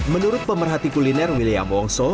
menurut pemerhati kuliner william wongso